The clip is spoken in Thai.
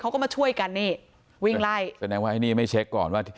เขาก็มาช่วยกันนี่วิ่งไล่แสดงว่าไอ้นี่ไม่เช็คก่อนว่า